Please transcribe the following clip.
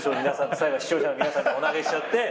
最後視聴者の皆さんにお投げしちゃって。